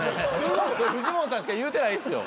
フジモンさんしか言うてないですよ。